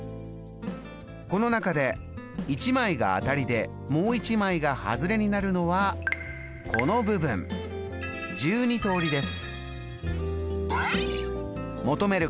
この中で１枚が当たりでもう１枚がハズレになるのはこの部分１２通りです。